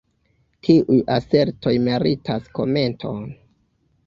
Tiuj asertoj meritas komenton.